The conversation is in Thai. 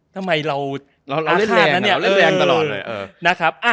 ทำไมเราเล่นแรงตลอดเลย